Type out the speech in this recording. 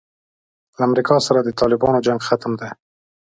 له امریکا سره د طالبانو جنګ ختم دی.